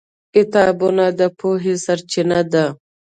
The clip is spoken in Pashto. کتابونه د پوهې سرچینه ده.